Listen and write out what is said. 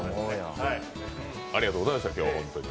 ありがとうございました、今日、ホントに。